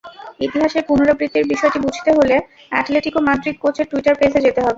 ইতিহাসের পুনরাবৃত্তির বিষয়টি বুঝতে হলে, অ্যাটলেটিকো মাদ্রিদ কোচের টুইটার পেজে যেতে হবে।